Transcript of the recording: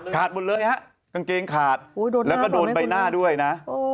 หมดเลยฮะกางเกงขาดแล้วก็โดนใบหน้าด้วยนะ